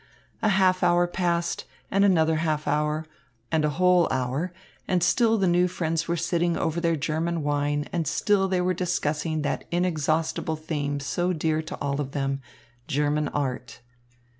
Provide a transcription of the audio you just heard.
A half hour passed, and another half hour, and a whole hour, and still the new friends were sitting over their German wine and still they were discussing that inexhaustible theme so dear to all of them, German art.